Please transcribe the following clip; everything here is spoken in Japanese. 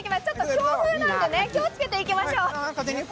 強風なので気をつけていきましょう。